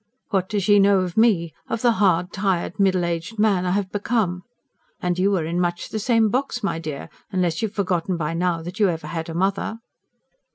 ... what does she know of me, of the hard, tired, middle aged man I have become? And you are in much the same box, my dear; unless you've forgotten by now that you ever had a mother."